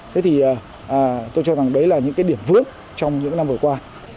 thế thì tôi cho rằng đấy là những cái điểm vướng trong những năm vừa qua